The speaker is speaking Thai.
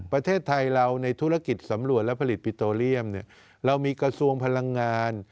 ประเทศไทยเราในธุรกิจสำรวจและผลิตปิโตเรียมเรามีกระทรวงพลังงาน